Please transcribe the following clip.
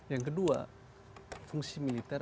yang kedua fungsi militer